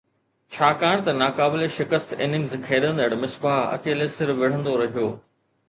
ڇاڪاڻ ته ناقابل شڪست اننگز کيڏندڙ مصباح اڪيلي سر وڙهندو رهيو